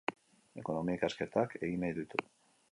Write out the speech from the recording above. Ekonomia ikasketak egin nahi ditu.